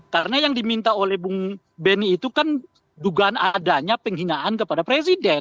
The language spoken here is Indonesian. karena yang diminta oleh bung benny itu kan dugaan adanya penghinaan kepada presiden